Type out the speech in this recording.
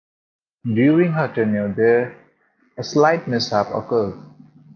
During her tenure there, a slight mishap occurred.